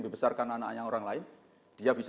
dibesarkan anaknya orang lain dia bisa